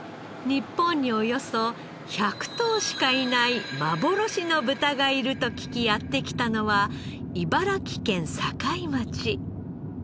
日本におよそ１００頭しかいない幻の豚がいると聞きやって来たのは茨城県境町。